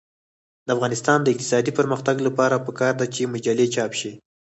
د افغانستان د اقتصادي پرمختګ لپاره پکار ده چې مجلې چاپ شي.